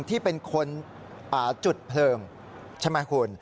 ที่เป็นคนจุดเพลิงใช่ไหมคุณ